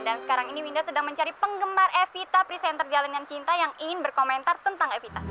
dan sekarang ini winda sedang mencari penggemar evita presenter jalanan cinta yang ingin berkomentar tentang evita